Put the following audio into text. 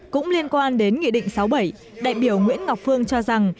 cũng liên quan đến nghị định sáu bảy đại biểu nguyễn ngọc phương cho rằng